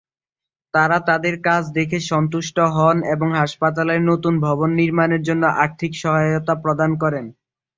তারা তাদের কাজ দেখে সন্তুষ্ট হন এবং হাসপাতালের নতুন ভবন নির্মাণের জন্য আর্থিক সহায়তা প্রদান করেন।